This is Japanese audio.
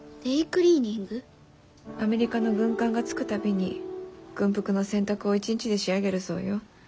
アメリカの軍艦が着く度に軍服の洗濯を一日で仕上げるそうよ。